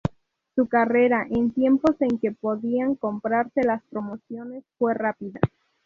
Su carrera, en tiempos en que podían comprarse las promociones, fue rápida.